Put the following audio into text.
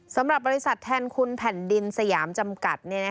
สำหรับบริษัทแทนคุณแผ่นดินสยามจำกัด